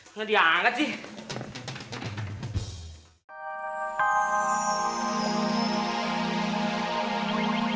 nggak dianget sih